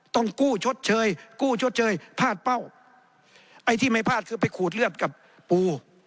ต้องกู้ชดเชยกู้ชดเชยพลาดเป้าไอ้ที่ไม่พลาดคือไปขูดเลือดกับปู